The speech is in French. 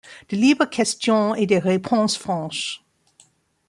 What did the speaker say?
De libres questions et des réponses franches